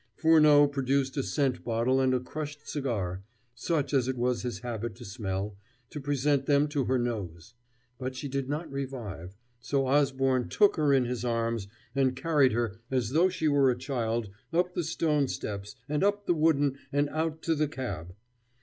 Furneaux produced a scent bottle and a crushed cigar, such as it was his habit to smell, to present them to her nose.... But she did not revive, so Osborne took her in his arms, and carried her, as though she were a child, up the stone steps, and up the wooden, and out to the cab.